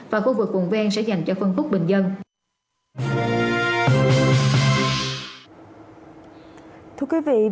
và khu vực quận vn sẽ dành cho phân khúc bình dân